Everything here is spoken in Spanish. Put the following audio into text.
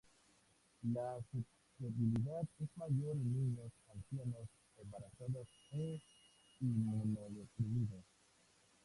La susceptibilidad es mayor en niños, ancianos, embarazadas e inmunodeprimidos.